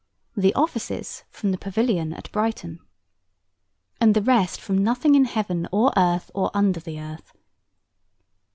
The offices from the Pavilion at Brighton. And the rest from nothing in heaven, or earth, or under the earth.